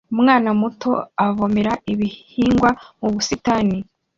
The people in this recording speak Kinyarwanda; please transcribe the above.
Umwana muto avomera ibihingwa mu busitani